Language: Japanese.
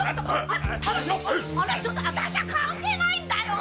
ちょっと私は関係ないんだよ！